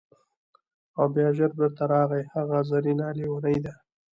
او بیا ژر بیرته راغی: هغه زرینه لیونۍ ده!